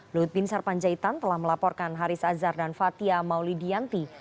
luhut bin sar panjaitan telah melaporkan haris azhar dan fatia maulidiyanti